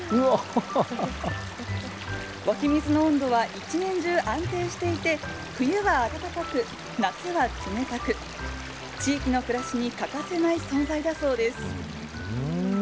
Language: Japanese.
湧き水の温度は一年中安定していて、冬は温かく、夏は冷たく、地域の暮らしに欠かせない存在だそうです。